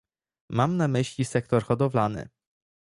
mam na myśli sektor hodowlany